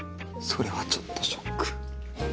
それはちょっとショック。